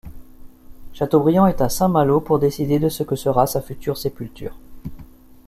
Chateaubriand est à Saint-Malo, pour décider de ce que sera sa future sépulture.